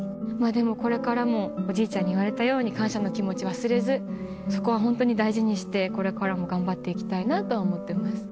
これからもおじいちゃんに言われたように感謝の気持ち忘れずそこはホントに大事にしてこれからも頑張っていきたいなと思ってます。